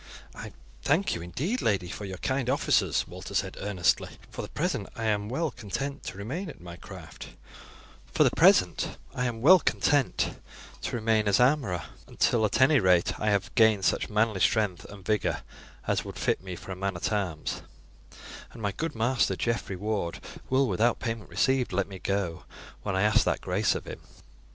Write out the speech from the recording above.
"I thank you, indeed, lady, for your kind offices," Walter said earnestly; "for the present I am well content to remain at my craft, which is that of an armourer, until, at any rate, I have gained such manly strength and vigour as would fit me for a man at arms, and my good master, Geoffrey Ward, will, without payment received, let me go when I ask that grace of him."